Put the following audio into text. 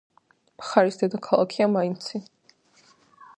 მხარის დედაქალაქია მაინცი.